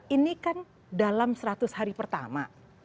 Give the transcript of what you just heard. ini kan dalam seratus hari pertama